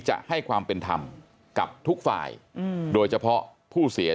จังหวัดสุราชธานี